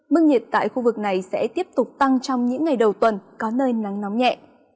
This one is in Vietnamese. mức nhiệt tại khu vực này sẽ tiếp tục tăng trong những ngày đầu tuần có nơi nắng nóng nhẹ